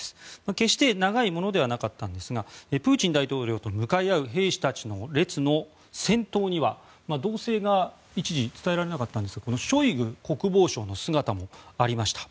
決して長いものではなかったんですがプーチン大統領と向かい合う兵士たちの列の先頭には動静が一時伝えられなかったんですがショイグ国防相の姿もありました。